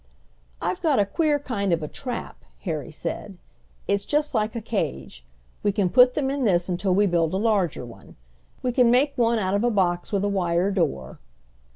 "I've got a queer kind of a trap," Harry said. "It's just like a cage. We can put them in this until we build a larger one. We can make one out of a box with a wire door."